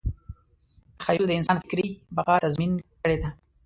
تخیل د انسان فکري بقا تضمین کړې ده.